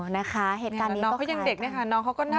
นะคะเหตุการณ์นี้ก็คือน้องเขายังเด็กนะคะ